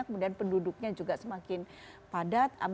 kemudian penduduknya juga semakin padat